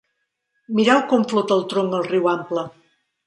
Mireu com flota el tronc al riu ample.